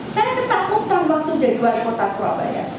saya ketakutan waktu jadwal kota swabaya